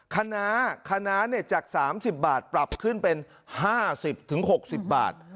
คณะคณะจาก๓๐บาทปรับขึ้นเป็น๕๐๖๐บาท